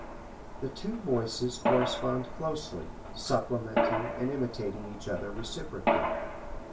The two voices correspond closely, supplementing and imitating each other reciprocally.